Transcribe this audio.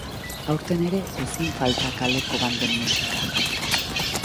Aurten ere ezin falta kaleko banden musika.